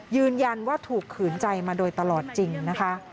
ยืนยันว่าถูกขืนใจมาโดยตลอดจริงนะคะ